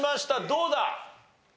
どうだ？